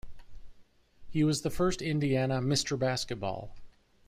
He was the first Indiana "Mr. Basketball".